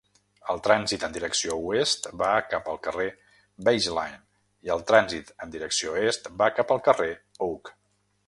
El trànsit en direcció oest va cap al carrer Baseline i el trànsit en direcció est va cap al carrer Oak.